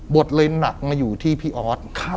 บดเล้นนักมาอยู่ที่พี่อธ